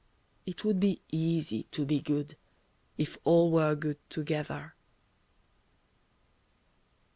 It would be easy to be good, If all were good together.